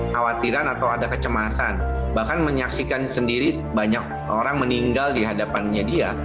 khawatiran atau ada kecemasan bahkan menyaksikan sendiri banyak orang meninggal di hadapannya dia